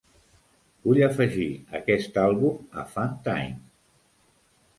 Vull afegir aquest àlbum a funtime.